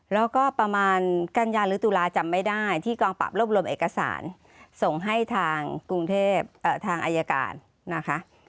แล้วก็ประมาณกัญญาหรือตุลาจำไม่ได้ที่กองปรับรวบรวมเอกสารส่งให้ทางกรุงเทพทางอายการนะคะ